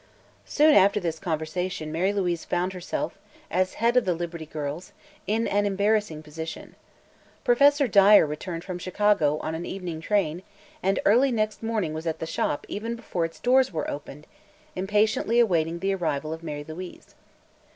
Soon after this conversation Mary Louise found herself, as head of the Liberty Girls, in an embarrassing position. Professor Dyer returned from Chicago on an evening train and early next morning was at the Shop even before its doors were opened, impatiently awaiting the arrival of Mary Louise.